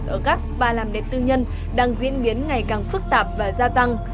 ở các spa làm đẹp tư nhân đang diễn biến ngày càng phức tạp và gia tăng